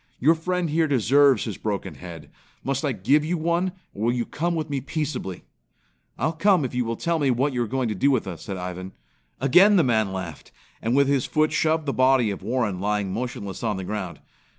Your friend here deserves his broken head. Must I give you one, or will you come with me peaceably?" "I'll come if you will tell me what you are going to do with us," said Ivan. Again the man laughed, and with his foot shoved the body of Warren lying motionless on the ground.